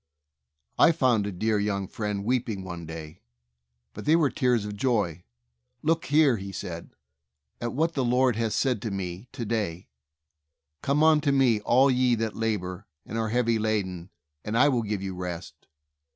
I found a dear young friend weeping one day, but they were tears of joy. "Look here/* he said, "at what the Lord has said to me to day: 'Come unto Me, all ye that labor, and are heavy laden, and I will give you rest.